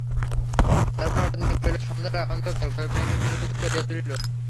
তারপর হঠাৎ মেঘ করিল, সন্ধ্যার অন্ধকার মেঘে ঘনীভূত করিয়া তুলিল।